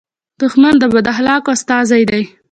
دښمن د بد اخلاقو استازی دی